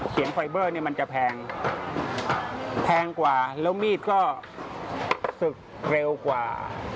ไฟเบอร์เนี่ยมันจะแพงแพงกว่าแล้วมีดก็ศึกเร็วกว่า